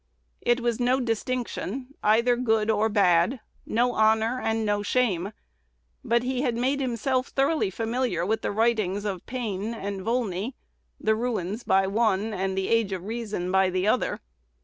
It was no distinction, either good or bad, no honor, and no shame. But he had made himself thoroughly familiar with the writings of Paine and Volney, "The Ruins" by one and "The Age of Reason" by the other.